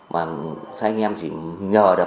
và hai anh em chỉ nhờ